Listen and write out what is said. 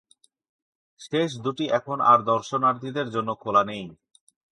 শেষ দুটি এখন আর দর্শনার্থীদের জন্য খোলা নেই।